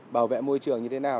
bảo vệ môi trường như thế nào